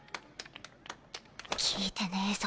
聞いてねぇぞ